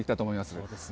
そうですね。